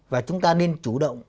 và chúng ta nên chủ động